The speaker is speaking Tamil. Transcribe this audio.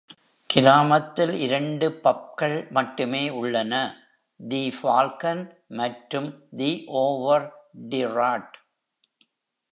கிராமத்தில் இரண்டு பப்கள் மட்டுமே உள்ளன: "தி ஃபால்கன்" மற்றும் "தி ஓவர் டிராட்".